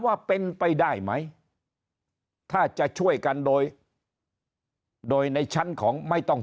ว่าเป็นไปได้ไหมถ้าจะช่วยกันโดยโดยในชั้นของไม่ต้อง